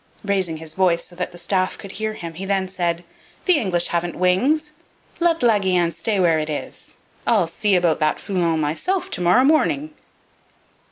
Raising his voice so that the staff could hear him, he then said: 'The English haven't wings! Let La Guienne stay where it is! I'll see about that Foulon myself to morrow morning!'